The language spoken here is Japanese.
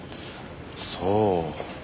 そう。